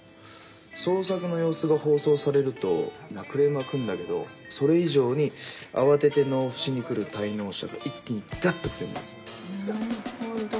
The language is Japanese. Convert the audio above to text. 捜索の様子が放送されるとまぁクレームは来るんだけどそれ以上に慌てて納付しに来る滞納者が一気にガッと増えんのよガッと！なるほど。